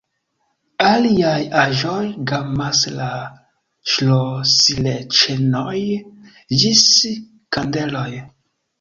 Aliaj aĵoj gamas de ŝlosilĉenoj ĝis kandeloj.